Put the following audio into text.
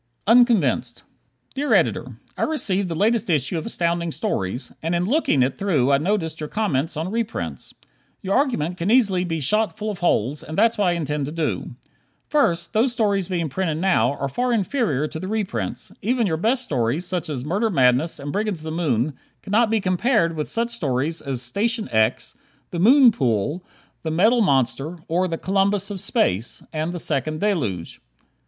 Unconvinced Dear Editor: I received the latest issue of Astounding Stories, and in looking it through I noticed your comments on reprints. Your argument can easily be shot full of holes, and that's what I intend to do. First: Those stories being printed now are far inferior to the reprints. Even your best stories, such as "Murder Madness" and "Brigands of the Moon," cannot be compared with such stories as "Station X," "The Moon Pool," "The Metal Monster," or "The Columbus of Space" and "The Second Deluge."